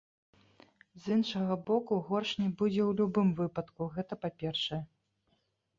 З іншага боку, горш не будзе ў любым выпадку, гэта па-першае.